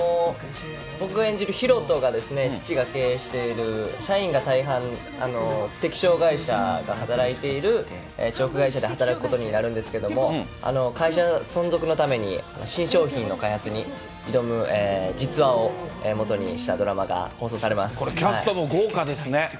僕が演じる広翔が、父が経営している社員が大半、知的障がい者が働いているチョーク会社で働くことになるんですけれども、会社存続のために新商品の開発に挑む実話をもとにしたドラマが放これ、キャストも豪華ですね。